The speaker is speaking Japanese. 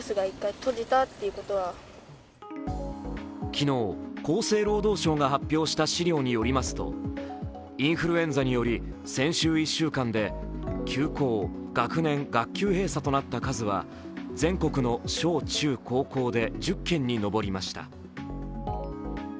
昨日、厚生労働省が発表した資料によりますとインフルエンザにより、先週１週間で、休校、学年・学校閉鎖となった数は全国の小中高校で１０件に上りました。